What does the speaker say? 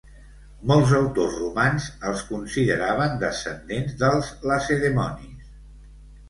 Molts autors romans els consideraven descendents dels lacedemonis.